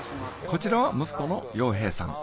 こちらは息子の洋平さん